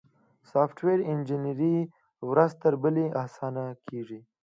سافټویر انجینري ورځ تر بلې اسانه کیږي.